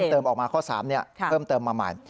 เพิ่มเติมออกมาข้อสามเพิ่มเติมมาใหม่